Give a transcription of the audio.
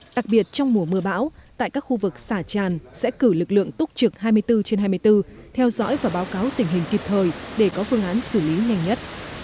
đặc biệt trong mùa mưa bão tại các khu vực xả tràn sẽ cử lực lượng túc trực hai mươi bốn trên hai mươi bốn theo dõi và báo cáo tình hình kịp thời để có phương án xử lý nhanh nhất